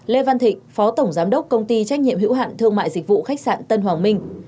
lê văn thịnh phó tổng giám đốc công ty trách nhiệm hữu hạn thương mại dịch vụ khách sạn tân hoàng minh